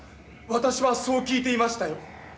私はそう聞いていましたよ。